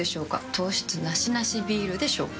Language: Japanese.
糖質ナシナシビールでしょうか？